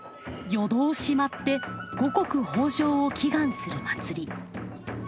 夜通し舞って五穀豊穣を祈願する祭り。